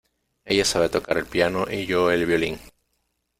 Ella sabe tocar el piano, y yo el violín.